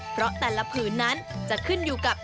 เพราะแต่ละผืนนั้นจะขึ้นอยู่กับ